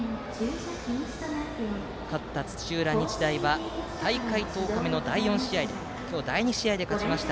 勝った土浦日大は大会１０日目の第４試合で今日の第２試合で勝ちました